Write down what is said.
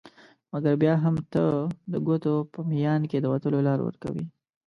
مګر بیا هم ته د ګوتو په میان کي د وتلو لار ورکوي